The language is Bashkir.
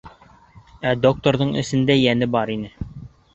Ә докторҙың эсендә йәне бар ине.